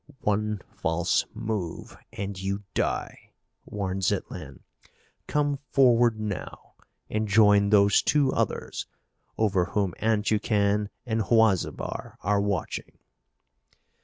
"One false move and you die!" warned Zitlan. "Come forward, now, and join those two others over whom Anteucan and Huazibar are watching."